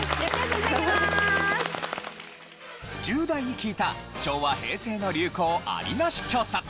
１０代に聞いた昭和・平成の流行アリナシ調査。